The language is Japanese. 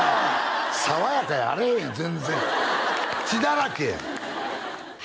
さわやかやあれへんやん全然血だらけやん